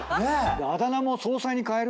あだ名も総裁に変える？